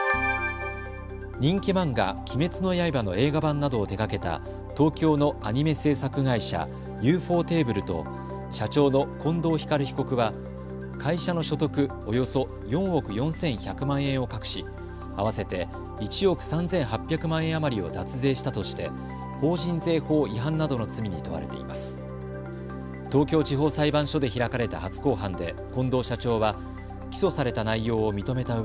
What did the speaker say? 人気漫画、鬼滅の刃の映画版などを手がけた東京のアニメ制作会社ユーフォーテーブルと社長の近藤光被告は会社の所得、およそ４億４１００万円を隠し合わせて１億３８００万円余りを脱税したとして法人税法違反などの罪に問われています。